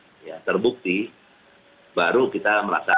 ya terbukti baru kita merasa